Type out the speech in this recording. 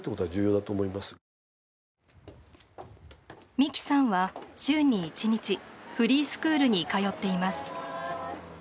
美樹さんは週に１日フリースクールに通っています。